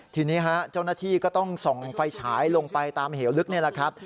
ทีนี้ฮะเจ้าหน้าที่ก็ต้องส่องไฟฉายลงไปตามเหวลึกนี่แหละครับ